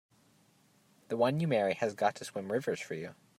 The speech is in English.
The one you marry has got to swim rivers for you!